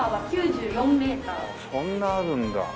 そんなあるんだ。